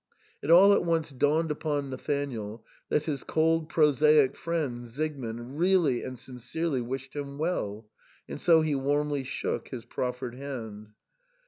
It all at once dawned upon Nathanael that his cold prosaic friend Siegmund really and sincerely wished him well, and so he warmly shook his proffered hand.